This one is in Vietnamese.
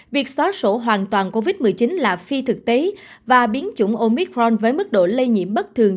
việc xóa sổ hoàn toàn covid một mươi chín là phi thực tế và biến chủng omicron với mức độ lây nhiễm bất thường